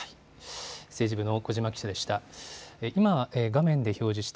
政治部の小嶋記者でした。